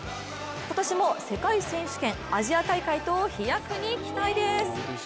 今年も世界選手権、アジア大会と飛躍に期待です。